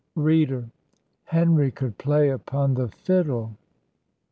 Reader Henry could play upon the fiddle.